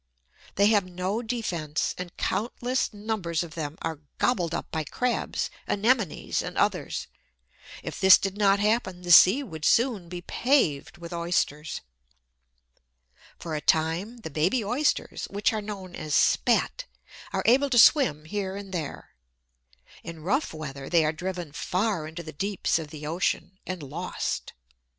They have no defence, and countless numbers of them are gobbled up by crabs, anemones, and others. If this did not happen, the sea would soon be paved with Oysters. For a time, the baby Oysters which are known as "spat" are able to swim here and there. In rough weather they are driven far into the deeps of the ocean, and lost.